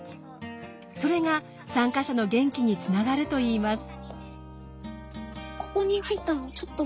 それが参加者の元気につながるといいます。